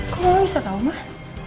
kok kamu gak bisa tau mah